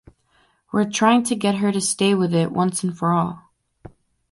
We're trying to get her to stay with it once and for all.